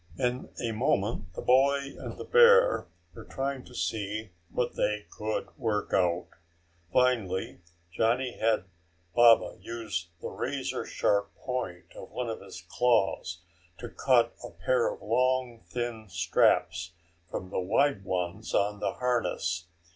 In a moment the boy and the bear were trying to see what they could work out. Finally Johnny had Baba use the razor sharp point of one of his claws to cut a pair of long thin straps from the wide ones on the harness.